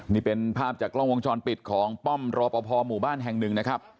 นี่เป็นภาพจากกล้องวงจรปิดของป้อมรอปภหมู่บ้านแห่งหนึ่งนะครับ